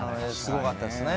すごかったですね。